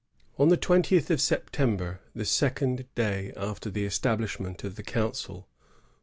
On the twentieth of September, the second day after the establishment of ,the council.